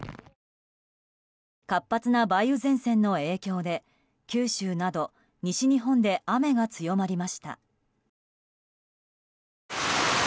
活発な梅雨前線の影響で九州など西日本で雨が強まりました。